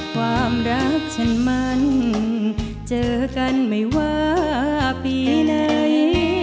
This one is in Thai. ความรักฉันมันเจอกันไม่ว่าปีไหน